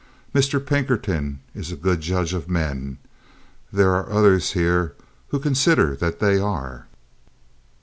Mr. Pinkerton is a good judge of men. There are others here who consider that they are.